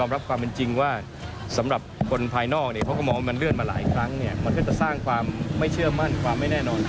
มันก็จะสร้างความไม่เชื่อมั่นความไม่แน่นอนถึงในเยี่ยม